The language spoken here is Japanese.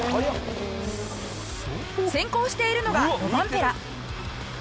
先行しているのがロバンペラ。